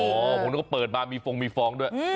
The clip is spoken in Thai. อ๋อผมนึกว่าเปิดมามีฟองมีฟองด้วย